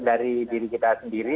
dari diri kita sendiri